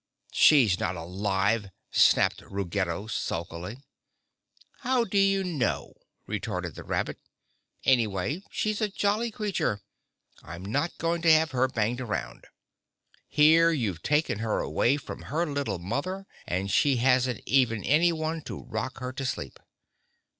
"She's not alive," snapped Ruggedo sulkily. "How do you know?" retorted the rabbit. "Anyway, she's a jolly creature. I'm not going to have her banged around. Here you've taken her away from her little mother, and she hasn't even anyone to rock her to sleep."